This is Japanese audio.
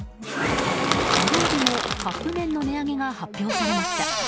火曜日もカップ麺の値上げが発表されました。